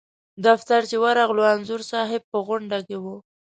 دفتر چې ورغلو انځور صاحب په غونډه کې و.